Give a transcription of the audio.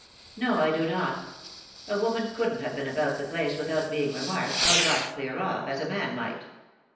"No, I do not. A woman couldn't have been about the place without being remarked — or got clear off, as a man might."